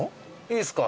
いいっすか？